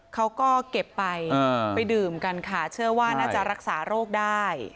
เขาก็เก็บไปไปดื่มกันค่ะเชื่อว่าน่าจะรักษาโรคได้